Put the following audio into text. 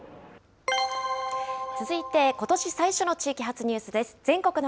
続いてことし最初の地域発ニュースです。